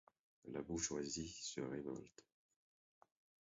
La bourgeoisie se révolte.